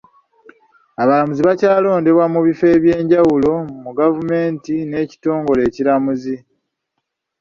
Abalamuzi bakyalondebwa mu bifo eby'enjawulo mu gavumenti n'ekitongole ekiramuzi.